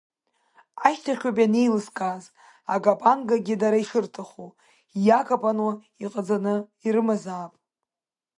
Ашьҭахь ауп ианеилыскааз, акапангагьы дара ишырҭаху иакапануа иҟаҵаны ирымазаап.